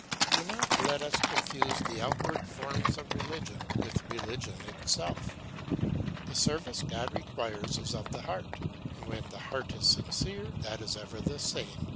Do not let us confuse the outward forms of religion with religion itself. The service God requires is of the heart; and when the heart is sincere that is ever the same.